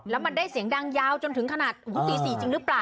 แล้วมันได้เสียงดังยาวจนถึงขนาดตี๔จริงหรือเปล่า